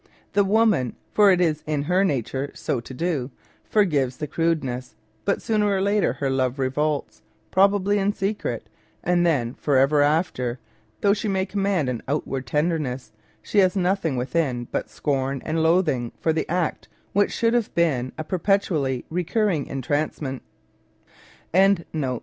The woman, for it is in her nature so to do, forgives the crudeness, but sooner or later her love revolts, probably in secret, and then for ever after, though she may command an outward tenderness, she has nothing within but scorn and loathing for the act which should have been a perpetually recurring cntrancement.